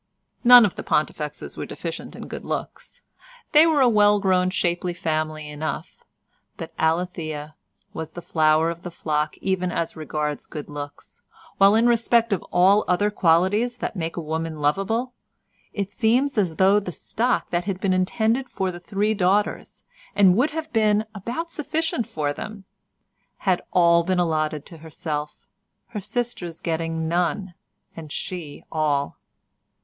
None of the Pontifexes were deficient in good looks; they were a well grown shapely family enough, but Alethea was the flower of the flock even as regards good looks, while in respect of all other qualities that make a woman lovable, it seemed as though the stock that had been intended for the three daughters, and would have been about sufficient for them, had all been allotted to herself, her sisters getting none, and she all.